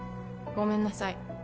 ごめんなさい